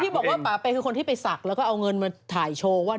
บอกว่าป่าเปคือคนที่ไปศักดิ์แล้วก็เอาเงินมาถ่ายโชว์ว่า